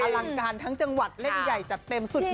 อลังการทั้งจังหวัดเล่นใหญ่จัดเต็มสุด